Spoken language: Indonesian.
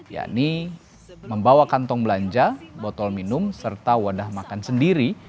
yakni membawa kantong belanja botol minum serta wadah makan sendiri